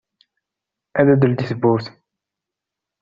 Ad d-teldi tewwurt.